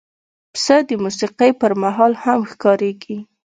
پسه د موسیقۍ پر مهال هم ښکارېږي.